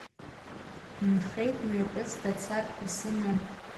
Инхеит мҩакы зда царҭа сымам…